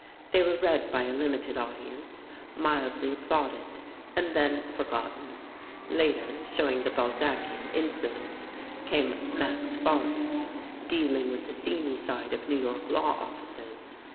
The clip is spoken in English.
They were read by a limited audience, mildly applauded, and then forgotten. Later, showing the Balzacian influence, came "Max Fargus," dealing with the seamy side of New York law offices.